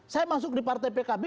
saya masuk di partai pkb